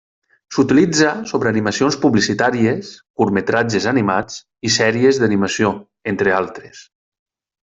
S'utilitza sobre animacions publicitàries, curtmetratges animats i sèries d'animació, entre altres.